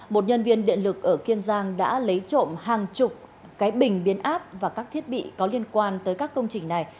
một nhân viên điện lực ở kiên giang đã lấy trộm hàng chục cái bình biến áp và các thiết bị có liên quan tới các công trình này